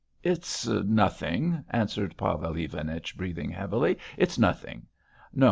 "It's nothing," answered Pavel Ivanich, breathing heavily. "It's nothing. No.